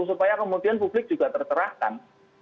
supaya kemudian publik juga tercerahkan